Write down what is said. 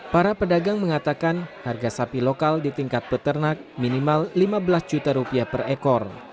para pedagang mengatakan harga sapi lokal di tingkat peternak minimal lima belas juta rupiah per ekor